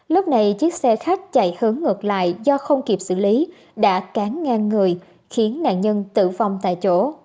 lúc này chiếc xe khách chạy hướng ngược lại do không kịp xử lý đã cán ngang người khiến nạn nhân tử vong tại chỗ